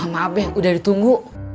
maaf be udah ditunggu